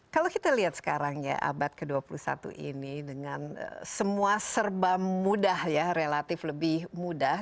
kalau kita lihat sekarang ya abad ke dua puluh satu ini dengan semua serba mudah ya relatif lebih mudah